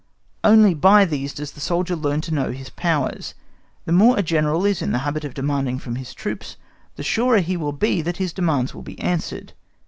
Only by these, does the soldier learn to know his powers. The more a General is in the habit of demanding from his troops, the surer he will be that his demands will be answered.